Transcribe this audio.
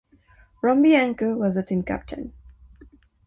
Ron Bianco was the team captain.